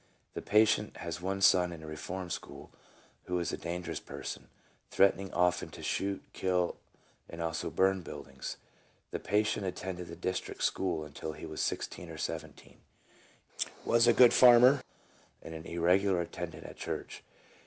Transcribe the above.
The patient has one son in a reform school, who is a dangerous person, threatening often to shoot, kill, and also burn buildings. The patient attended the district school until he was sixteen or seventeen, was a good farmer, was sociable, and an irregular attendant at church.